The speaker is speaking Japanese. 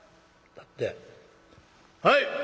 「はい！」。